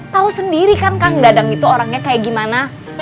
tahu sendiri kan kang dadang itu orangnya kayak gimana